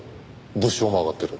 物証も挙がってる。